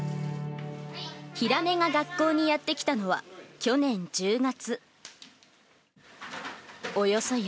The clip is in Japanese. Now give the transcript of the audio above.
ヒラメが学校にやって来たのは、去年１０月。